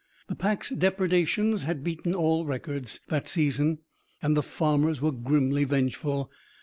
The pack's depredations had beaten all records, that season. And the farmers were grimly vengeful.